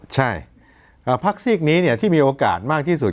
ใช่พักซีกนี้ที่มีโอกาสมากที่สุด